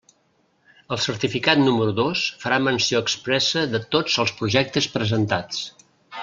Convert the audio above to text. El certificat número dos farà menció expressa de tots els projectes presentats.